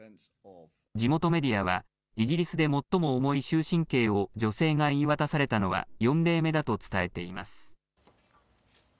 地元メディアはイギリスで最も重い終身刑を女性が言い渡されたのは４例目だと伝えています。